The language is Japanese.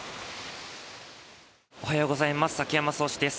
おはようございます。